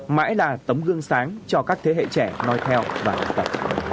mãi là tấm gương sáng cho các thế hệ trẻ nói theo và học tập